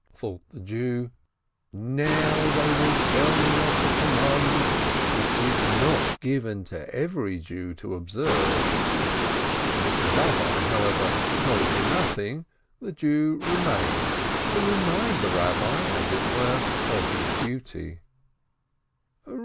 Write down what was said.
Thought the Jew, "Now they will tell me of the commandment which it is not given to every Jew to observe." As the Eabbi, however, told him nothing, the Jew remained, to remind the Eabbi, as it were, of his duty.